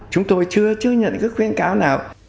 chúng tôi chưa nhận được khuyến cáo nào